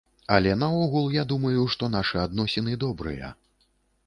Але наогул я думаю, што нашы адносіны добрыя.